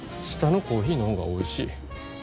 下のコーヒーの方がおいしい。